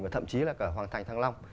và thậm chí là cả hoàng thành thăng long